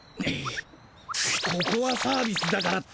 ここはサービスだからって。